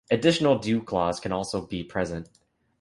Additional dewclaws can also be present.